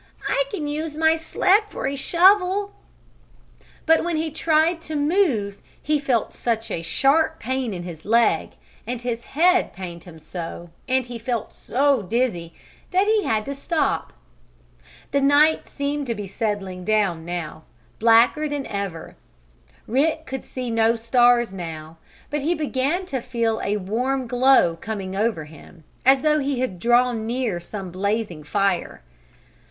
"I can use my sled for a shovel." But when he tried to move he felt such a sharp pain in his leg, and his head pained him so, and he felt so dizzy, that he had to stop. The night seemed to be settling down now, blacker than ever. Rick could see no stars now, but he began to feel a warm glow coming over him, as though he had drawn near some blazing fire.